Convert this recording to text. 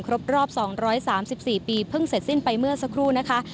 ครบรอบ๒๓๔ปีเพิ่งเสร็จสิ้นไปเมื่อสักครู่นะคะ